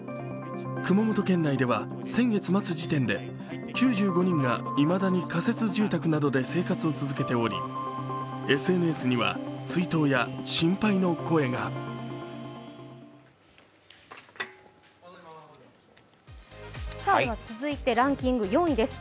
熊本県内では先月末時点で９５人がいまだに仮設住宅などで生活を続けておりＳＮＳには追悼や心配の声が続いてランキング４位です。